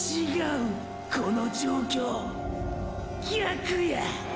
この状況逆や！！